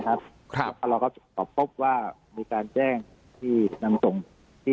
ครับครับตอนเราก็จะตอบปบว่ามีการแจ้งที่นำส่งที่